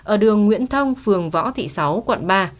ở đường nguyễn thông phường võ thị sáu quận ba